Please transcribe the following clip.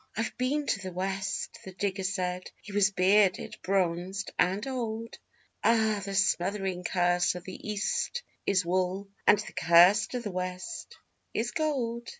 _ 'I've been to the West,' the digger said: he was bearded, bronzed and old; 'Ah, the smothering curse of the East is wool, and the curse of the West is gold.